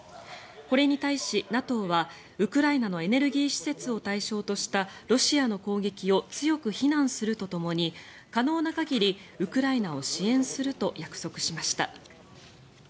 これに対しＮＡＴＯはウクライナのエネルギー施設を対象としたロシアの攻撃を強く非難するとともに可能な限りウクライナを支援すると約束しました。